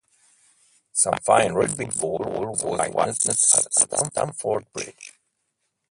Some fine Rugby football was witnessed at Stamford Bridge.